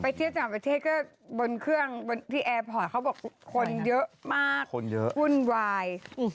เที่ยวต่างประเทศก็บนเครื่องพี่แอร์พอร์ตเขาบอกคนเยอะมากคนเยอะวุ่นวาย